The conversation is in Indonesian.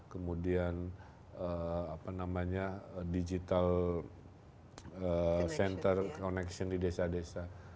kemudian apa namanya digital center connection di desa desa